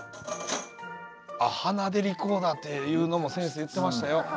あっ鼻でリコーダーっていうのも先生言ってましたよ。